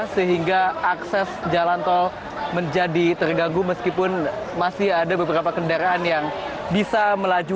sehingga akses jalan tol menjadi terganggu meskipun masih ada beberapa kendaraan yang bisa melaju